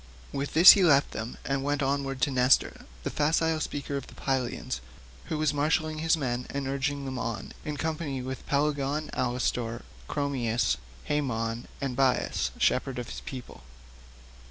With this he left them and went onward to Nestor, the facile speaker of the Pylians, who was marshalling his men and urging them on, in company with Pelagon, Alastor, Chromius, Haemon, and Bias shepherd of his people.